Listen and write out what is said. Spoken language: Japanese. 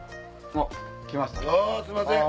あっすいません！